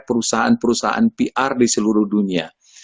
perusahaan perusahaan pr di seluruh dunia